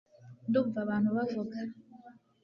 ndumva abantu bavuga